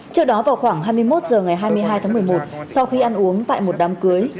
trước đó vào khoảng hai mươi một h ngày hai mươi hai tháng một mươi một sau khi ăn uống tại một đám cưới